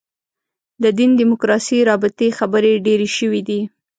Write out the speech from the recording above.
د دین دیموکراسي رابطې خبرې ډېرې شوې دي.